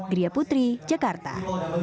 gria putri jakarta